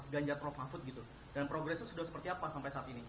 dan progresnya sudah seperti apa sampai saat ini